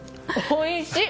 おいしい！